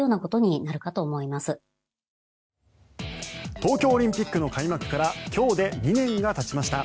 東京オリンピックの開幕から今日で２年が経ちました。